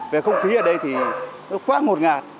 về không khí ở đây thì quá ngột ngạt